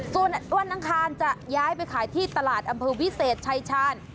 ส่วนวันอังคารจะย้ายไปขายที่ตลาดอำเภอวิเศษชายชาญ